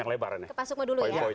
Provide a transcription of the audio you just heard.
kepasungan dulu ya